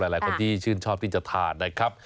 หลายคนที่ชื่นชอบที่จะทานนะครับ